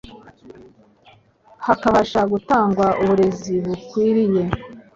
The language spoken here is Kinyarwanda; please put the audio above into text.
hakabasha gutangwa uburezi bukwiriye